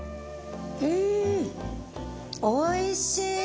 うんおいしい。